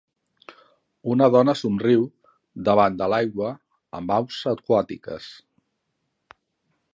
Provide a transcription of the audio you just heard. Una dona somriu davant de l'aigua amb aus aquàtiques.